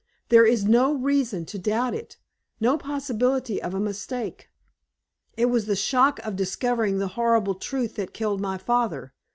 "There is no reason to doubt it no possibility of a mistake. It was the shock of discovering the horrible truth that killed my father.